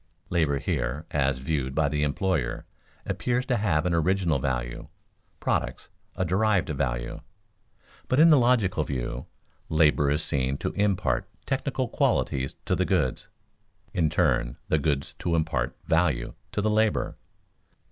Labor here, as viewed by the employer, appears to have an original value; products, a derived value. But in the logical view, labor is seen to impart technical qualities to the goods; in turn, the goods to impart value to the labor.